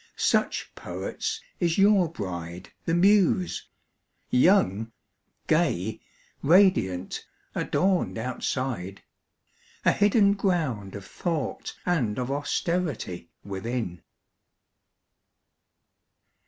Such, poets, is your bride, the Muse! young, gay, Radiant, adorned outside; a hidden ground Of thought and of austerity within.